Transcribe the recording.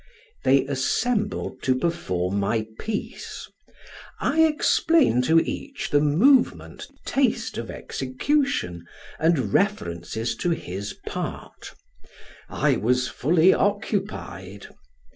They assembled to perform my piece; I explain to each the movement, taste of execution, and references to his part I was fully occupied.